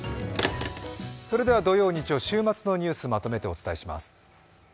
土曜、日曜、週末のニュースをまとめてお伝えします。